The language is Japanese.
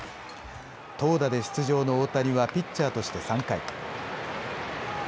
投打で出場の大谷はピッチャーとして３回。